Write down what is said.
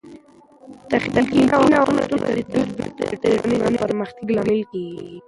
د تخنیکي نوښتونو تطبیق د ټولنیز پرمختګ لامل کیږي.